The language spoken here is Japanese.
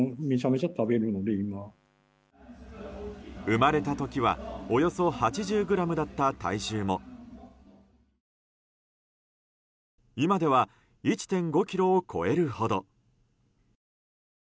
生まれた時はおよそ８０ｇだった体重も今では１．５ｋｇを超えるほど。